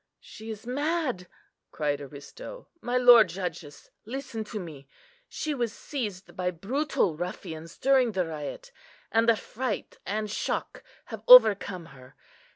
"She is mad!" cried Aristo; "my lord judges, listen to me. She was seized by brutal ruffians during the riot, and the fright and shock have overcome her.